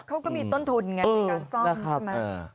เขาก็มีต้นทุนไงในการซ่อมใช่ไหม